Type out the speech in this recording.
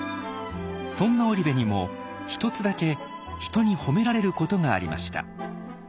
そんな織部にも一つだけ人に褒められることがありました。